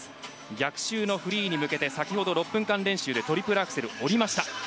逆襲のフリーに向けて先ほどの６分間練習でトリプルアクセルを跳びました。